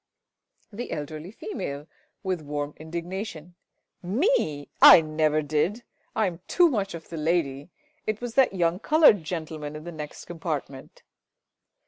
The Elderly Female (with warm indignation). Me? I never did! I am too much of the lady. It was that young coloured gentleman in the next compartment.